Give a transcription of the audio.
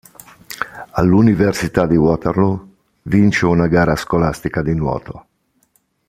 All'Università di Waterloo vince una gara scolastica di nuoto.